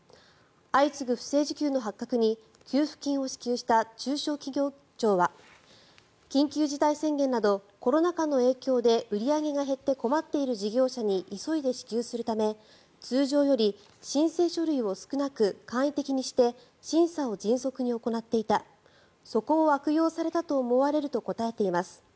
相次ぐ不正受給の発覚に給付金を支給した中小企業庁は緊急事態宣言などコロナ禍の影響で売り上げが減って困っている事業者に急いで支給するため通常より申請書類を少なく簡易的にして審査を迅速に行っていたそこを悪用されたと思われると答えています。